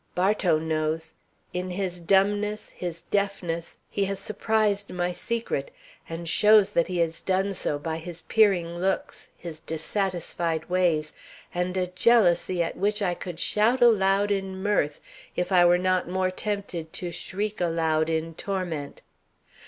Bartow knows. In his dumbness, his deafness, he has surprised my secret, and shows that he has done so by his peering looks, his dissatisfied ways, and a jealousy at which I could shout aloud in mirth, if I were not more tempted to shriek aloud in torment.